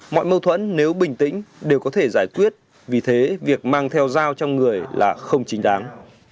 mọi mâu thuẫn nếu bình tĩnh đều có thể giải quyết vì thế việc mang theo dao trong người là không chính đáng